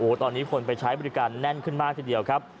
ตอนนี้คนไปใช้บริการแน่นขึ้นมากทีเดียวครับ